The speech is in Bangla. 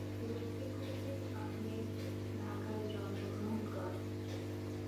রফিক উদ্দিন আহমেদ ঢাকায় জন্মগ্রহণ করেন।